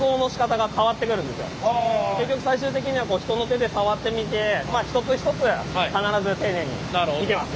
結局最終的にはこう人の手で触ってみてまあ一つ一つ必ず丁寧に見てます。